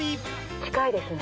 近いですね。